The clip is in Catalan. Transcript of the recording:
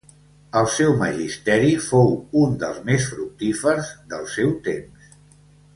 El seu magisteri fou un dels més fructífers del seu temps.